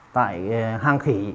tại hang khỉ